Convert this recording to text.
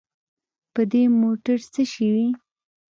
په دې موټر څه شوي.